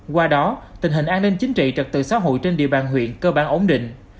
qua đó tình hình an ninh chính trị trật tự xã hội trên địa bàn huyện cơ bản ổn định